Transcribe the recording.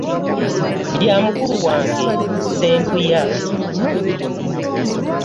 Bya mukulu wange Ssembuya.